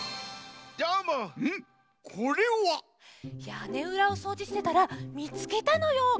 やねうらをそうじしてたらみつけたのよ。